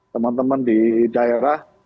teman teman di daerah